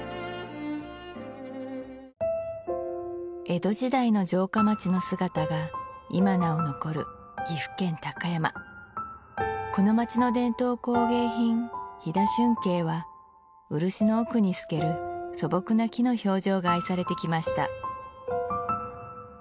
江戸時代の城下町の姿が今なお残る岐阜県高山この町の伝統工芸品飛騨春慶は漆の奥に透ける素朴な木の表情が愛されてきました